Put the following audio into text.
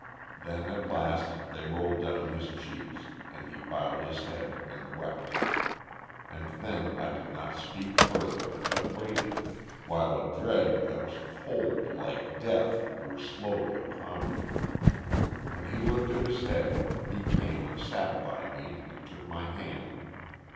Then at last they rolled down his cheeks and he bowed his head and wept. And then I did not speak further, but waited, while a dread that was cold like death grew slow upon me. When he lifted his head he came and sat by me and took my hand.